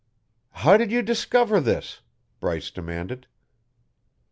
"How did you discover this?" Bryce demanded.